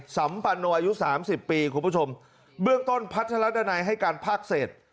สำปันโนอายุ๓๐ปีคุณผู้ชมเบื้องต้นพัทรดันัยให้การพักเสร็จ